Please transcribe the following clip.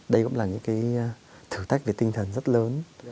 đây cũng là những cái thử thách về tinh thần rất lớn